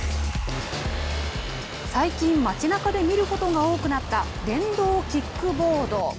最近、街なかで見ることが多くなった電動キックボード。